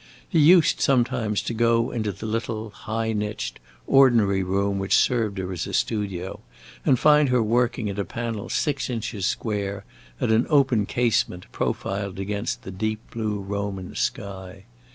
He used sometimes to go into the little, high niched, ordinary room which served her as a studio, and find her working at a panel six inches square, at an open casement, profiled against the deep blue Roman sky.